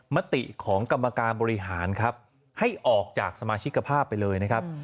มติของกรรมการบริหารครับให้ออกจากสมาชิกภาพไปเลยนะครับ